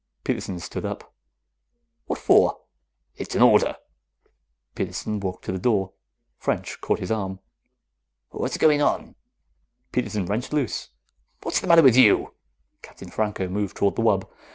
Peterson stood up. "What for?" "It's an order." Peterson walked to the door. French caught his arm. "What's going on?" Peterson wrenched loose. "What's the matter with you?" Captain Franco moved toward the wub.